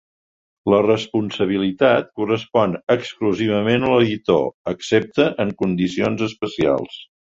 La responsabilitat correspon exclusivament a l'editor, excepte en condicions especials.